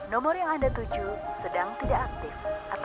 nomor yang anda tuju sedang tidak aktif